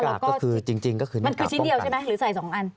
มันคือชิ้นเดียวใช่ไหมหรือใส่สองอัน